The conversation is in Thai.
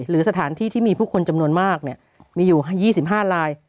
หรือสถานที่ที่มีผู้คนจำนวนมากมีอยู่๒๕ลาย